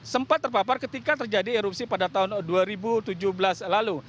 sempat terpapar ketika terjadi erupsi pada tahun dua ribu tujuh belas lalu